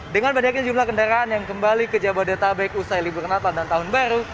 dengan banyaknya jumlah kendaraan yang kembali ke jabodetabek usai libur natal dan tahun baru